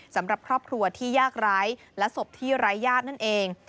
สำหรับครอบครัวที่ยากไร้และศพที่ไร้ญาตินั่นเอง